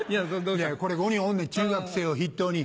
これ５人おんねん中学生を筆頭に。